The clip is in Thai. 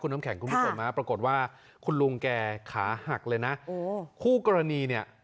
คุณอำแข็งพูดมาเลยปรากฏว่าคุณลุงแกขาหักเลยนะคู่กรณีนี่